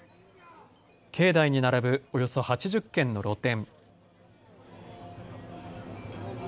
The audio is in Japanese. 境内に並ぶおよそ８０軒の露店。